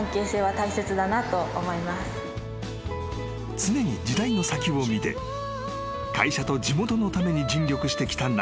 ［常に時代の先を見て会社と地元のために尽力してきた中村］